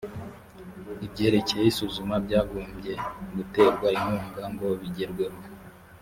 ibyerekeye isuzuma byagombye guterwa inkunga ngo bigerweho